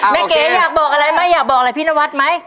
เก๋อยากบอกอะไรไหมอยากบอกอะไรพี่นวัดไหม